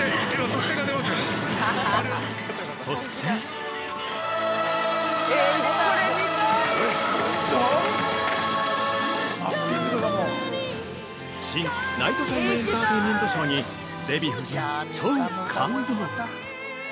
そして新ナイトタイムエンターテイメントショーにデヴィ夫人超感動！